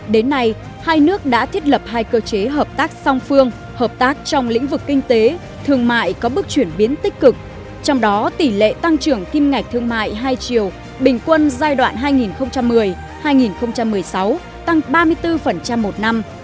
đến nay hai nước đã thiết lập hai cơ chế hợp tác song phương hợp tác trong lĩnh vực kinh tế thương mại có bước chuyển biến tích cực trong đó tỷ lệ tăng trưởng kim ngạch thương mại hai triều bình quân giai đoạn hai nghìn một mươi hai nghìn một mươi sáu tăng ba mươi bốn một năm